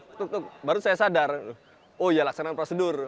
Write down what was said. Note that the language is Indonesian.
ketuk ketuk baru saya sadar oh iyalah sekarang prosedur